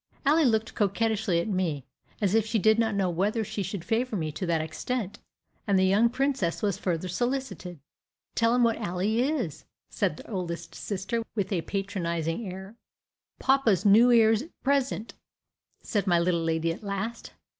Ally looked coquettishly at me, as if she did not know whether she should favor me to that extent, and the young princess was further solicited. "Tell him what Ally is," said the oldest sister, with a patronizing air. "Papa's New 'Ear's pesent," said my little lady, at last.